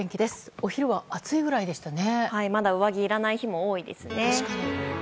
お昼は暑いくらいでしたね。